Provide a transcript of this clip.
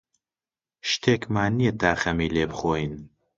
شتێکمان نییە تا خەمی لێ بخۆین.